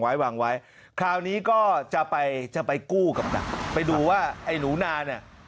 วางไว้คราวนี้ก็จะไปจะไปกู้กับดักไปดูว่าไอ้หนูนาเนี่ย